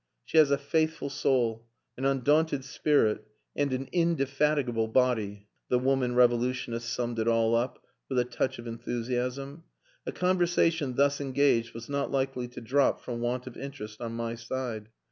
"She has a faithful soul, an undaunted spirit and an indefatigable body," the woman revolutionist summed it all up, with a touch of enthusiasm. A conversation thus engaged was not likely to drop from want of interest on my side.